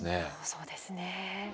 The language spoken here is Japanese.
そうですね。